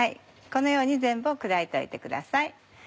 このように全部を砕いておいてください。